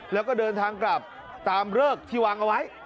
แล้วก็เดินทางกลับตามเลิกที่วางเอาไว้